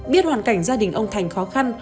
biết hoàn cảnh gia đình ông thành khó khăn